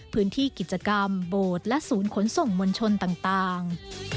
พื้นที่กิจกรรมโบสถ์และศูนย์ขนส่งมวลชนต่าง